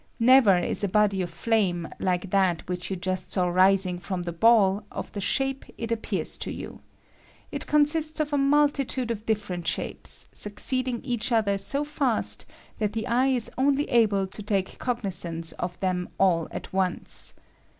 I Never is a body of flame, like that which you ' just saw rising from the ball, of the shape it appears to you. It consists of a multitude of different shapes, succeeding each other so fast ' that the eye is only able to take cognizance of them all at once.